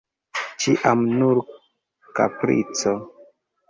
Ĉiam nur kaprico!